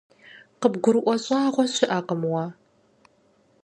КъыбгурыӀуэ щӀагъуэ щыӀэкъым уэ.